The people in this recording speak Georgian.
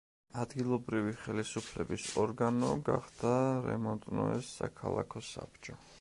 ადგილობრივი ხელისუფლების ორგანო გახდა რემონტნოეს საქალაქო საბჭო.